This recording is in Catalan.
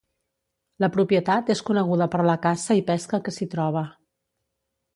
La propietat és coneguda per la caça i pesca que s'hi troba.